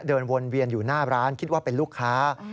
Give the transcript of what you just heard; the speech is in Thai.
เดินวนเวียนอยู่หน้าร้านคิดว่าเป็นลูกค้า